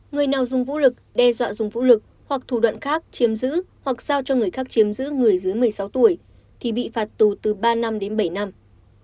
người nào dùng vũ lực đe dọa dùng vũ lực hoặc thủ đoạn khác chiếm giữ hoặc sao cho người khác chiếm giữ người dưới một mươi sáu tuổi thì bị phạt tù từ ba năm đến bảy năm